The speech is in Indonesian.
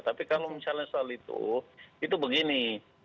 tapi kalau misalnya soal itu itu begini